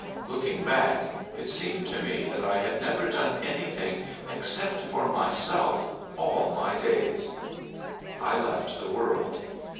Looking back, it seemed to me that I had never done anything except for myself all my days. I left the world.